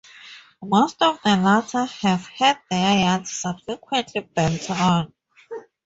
Most of the latter have had their yards subsequently built on.